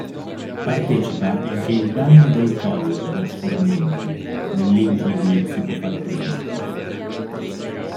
Partecipa anche il Danno dei Colle der Fomento nell'intro di "Si può fare così".